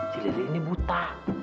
si lili ini buta